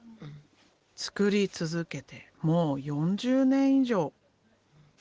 作り続けてもう４０年以上。